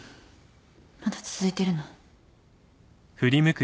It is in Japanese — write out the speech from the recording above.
まだ続いてるの？